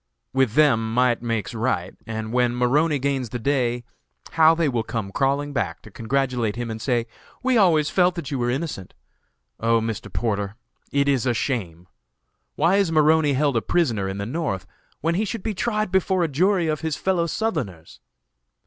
With them 'might makes right,' and when Maroney gains the day, how they will come crawling back to congratulate him and say, 'We always felt that you were innocent.' O Mr. Porter, it is a shame. Why is Maroney held a prisoner in the North, when he should be tried before a jury of his fellow Southerners?